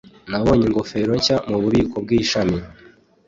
Nabonye ingofero nshya mububiko bwishami.